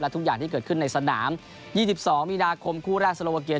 ทุกอย่างที่เกิดขึ้นในสนาม๒๒มีนาคมคู่แรกโซโลวาเกม